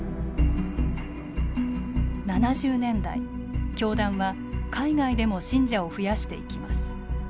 ７０年代、教団は海外でも信者を増やしていきます。